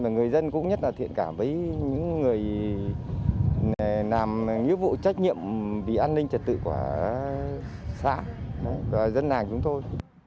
người dân cũng nhất là thiện cảm với những người làm nhiệm vụ trách nhiệm vì an ninh trật tự của xã và dân làng chúng tôi